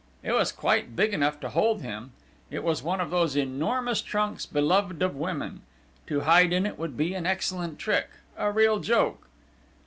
It was quite big enough to hold him it was one of those enormous trunks beloved of women!... To hide in it would be an excellent trick a real joke!